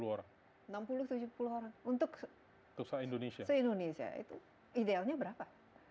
enam puluh tujuh puluh orang untuk se indonesia itu idealnya berapa